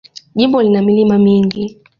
Jimbo lina milima mingi.